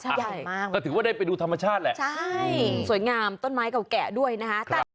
ใหญ่มากก็ถือว่าได้ไปดูธรรมชาติแหละใช่สวยงามต้นไม้เก่าแก่ด้วยนะคะ